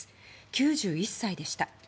９１歳でした。